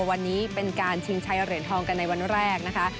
วันนี้เป็นการชิงชัยเหรียญทองกันในวันแรกนะคะ